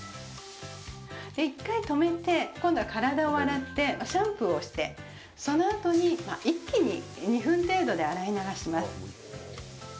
１回止めて、今度は体を洗ってシャンプーをして、そのあとに一気に２分程度で洗い流します。